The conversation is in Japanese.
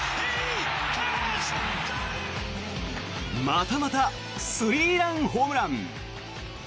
またまたスリーランホームラン。